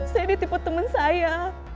saya ditipu temen saya